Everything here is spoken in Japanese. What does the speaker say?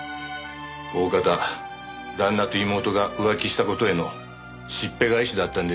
おおかた旦那と妹が浮気した事へのしっぺ返しだったんでしょ？